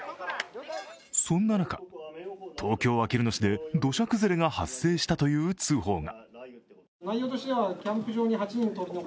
そんな中、東京・あきる野市で土砂崩れが発生したという通報が。